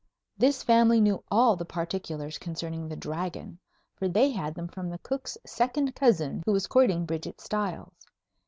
This family knew all the particulars concerning the Dragon, for they had them from the cook's second cousin who was courting Bridget Stiles.